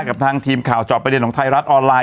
กับทางทีมข่าวจอบประเด็นของไทยรัฐออนไลน